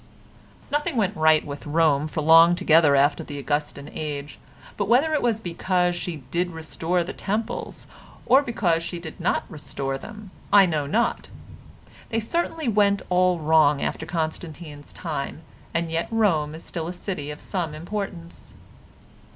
Nothing went right with Rome for long together after the Augustan age, but whether it was because she did restore the temples or because she did not restore them I know not. They certainly went all wrong after Constantine's time and yet Rome is still a city of some importance.